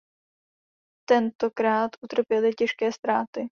Tentokrát utrpěli těžké ztráty.